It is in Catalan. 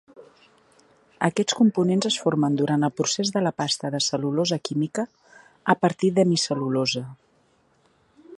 Aquests components es formen durant el procés de la pasta de cel·lulosa química, a partir d'hemicel·lulosa.